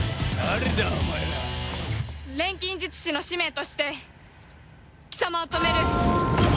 錬金術師の使命として貴様を止める。